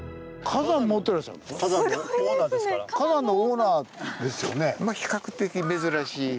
火山のオーナーですよね。